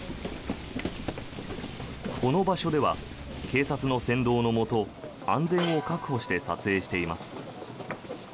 この場所では警察の先導のもと安全を確保して撮影しています。